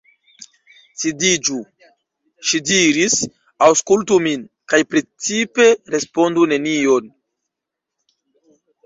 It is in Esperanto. Sidiĝu, ŝi diris, aŭskultu min, kaj precipe respondu nenion.